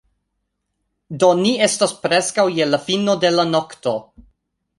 Do, ni estas preskaŭ je la fino de la nokto